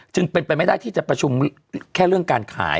จึงเป็นไปไม่ได้ที่จะประชุมแค่เรื่องการขาย